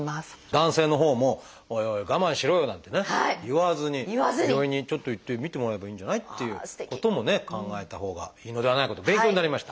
男性のほうも「おいおい我慢しろよ」なんてね言わずに「病院にちょっと行って診てもらえばいいんじゃない？」っていうこともね考えたほうがいいのではないかと勉強になりました。